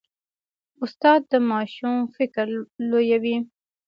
استاد د ماشوم فکر لویوي.